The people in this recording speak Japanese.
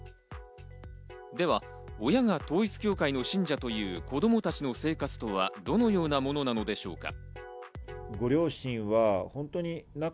では、親が統一教会の信者という子供たちの生活とはどのようなものなのでしょうか？